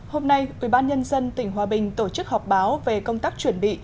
hôm nay ubnd tỉnh hòa bình tổ chức họp báo về công tác chuẩn bị